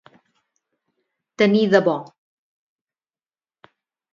Tenir de bo.